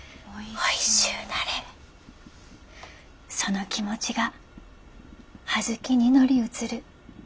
その気持ちが小豆に乗り移る。